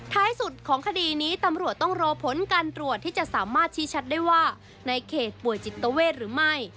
ท้ายสุดของคดีนี้ตำรวจต้องรอผลการตรวจที่จะสามารถชี้ชัดได้ว่าในเขตป่วยจิตเวทหรือไม่